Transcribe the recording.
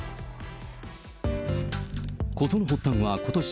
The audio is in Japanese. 事の発端はことし